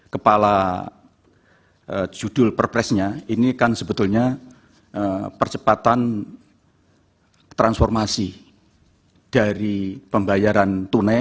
kepala judul perpresnya ini kan sebetulnya percepatan transformasi dari pembayaran tunai